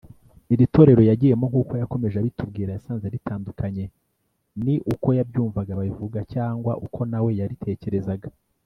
Iri torero yagiyemo nk'uko yakomeje abitubwira yasanze ritandukanye ni uko yabyumvaga babivuga cyangwa uko nawe yaritekerezaga